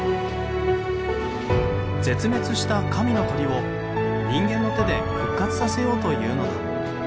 絶滅した神の鳥を人間の手で復活させようというのだ。